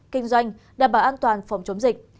kinh doanh đảm bảo an toàn phòng chống dịch